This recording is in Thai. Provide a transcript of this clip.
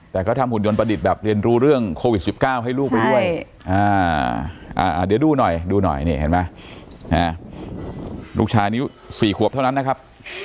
แต่เขาทำหุ่นยนต์ประดิษฐ์แบบเรียนรู้เรื่องโควิด๑๙ให้ลูกไปด้วยเดี๋ยวดูหน่อยดูหน่อยนี่เห็นไหมลูกชายอายุ๔ขวบเท่านั้นนะครับ